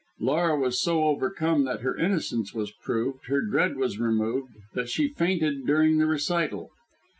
Laura was so overcome that her innocence was proved, her dread was removed, that she fainted during the recital.